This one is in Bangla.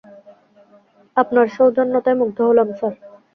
আপনার সৌজন্যতায় মুগ্ধ হলাম, স্যার।